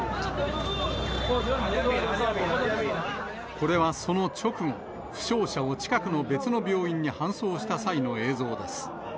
これはその直後、負傷者を近くの別の病院に搬送した際の映像です。